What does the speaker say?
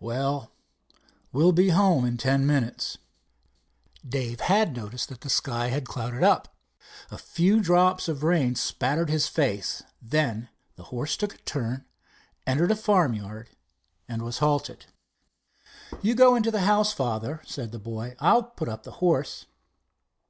"Well, we'll be home in ten minutes." Dave had noticed that the sky had clouded up. A few drops of rain spattered his face. Then the horse took a turn, entered a farm yard, and was halted. "You go into the house, father," said the boy. "I'll put up the horse."